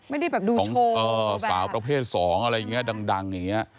ไม่ได้แบบดูของสาวประเภท๒อะไรอย่างนี้ดังอย่างนี้